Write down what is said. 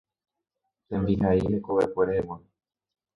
Tembihai hekovekue rehegua.